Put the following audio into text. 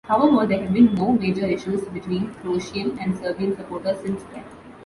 However, there have been no major issues between Croatian and Serbian supporters since then.